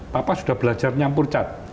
dan dia sudah belajar nyampur cat